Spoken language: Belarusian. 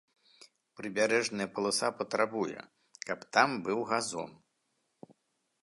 Прыбярэжная паласа патрабуе, каб там быў газон.